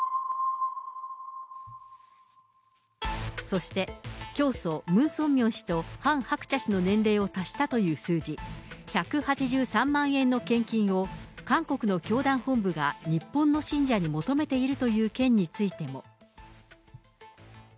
そして、教祖、ムン・ソンミョン氏とハン・ハクチャ氏の年齢を足したという数字、１８３万円の献金を韓国の教団本部が日本の信者に求めているという件についても。